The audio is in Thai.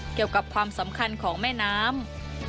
เกี่ยวกับความสำคัญของแม่น้ำ